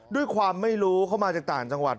ด้วยความไม่รู้เขามาจากต่างจังหวัด